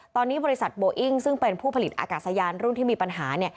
ตอนนี้บริษัทโบอิ้งซึ่งเป็นผู้ผลิตอากาศยานรุ่นที่มีปัญหา